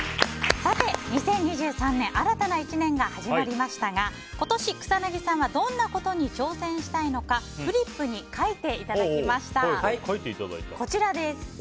さて、２０２３年新たな１年が始まりましたが今年、草なぎさんはどんなことに挑戦したいのかフリップに書いていただきました。